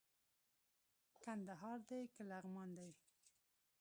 کندهار دئ که لغمان دئ